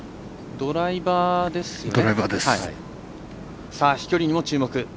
ドライバーですね。